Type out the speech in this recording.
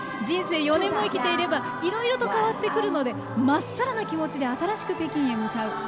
人生４年も生きていればいろいろ変わってくるのでまっさらな気持ちで北京に向かう。